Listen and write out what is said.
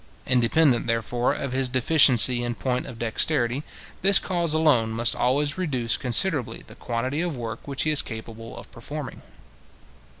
Independent, therefore, of his deficiency in point of dexterity, this cause alone must always reduce considerably the quantity of work which he is capable of performing.